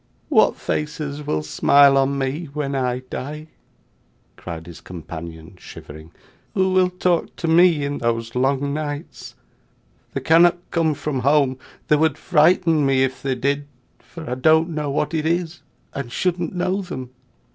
'What faces will smile on me when I die!' cried his companion, shivering. 'Who will talk to me in those long nights! They cannot come from home; they would frighten me, if they did, for I don't know what it is, and shouldn't know them.